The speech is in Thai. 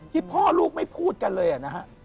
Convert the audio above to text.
ที่พ่อลูกไม่พูดกันเลยนะฮะ